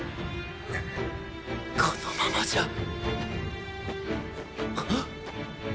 このままじゃん！？